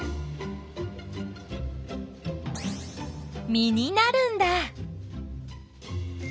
実になるんだ。